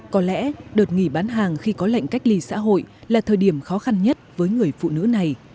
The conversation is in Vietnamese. có lẽ đợt nghỉ bán hàng khi có lệnh cách ly xã hội là thời điểm khó khăn nhất với người phụ nữ này